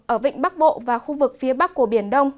ở vịnh bắc bộ và khu vực phía bắc của biển đông